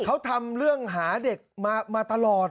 เขาทำเรื่องหาเด็กมาตลอด